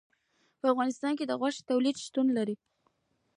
په افغانستان کې د غوښې تولید شتون لري.